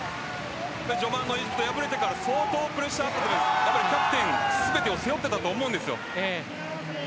序盤、敗れてから相当プレッシャーある中でキャプテン全てを背負っていたと思うんです。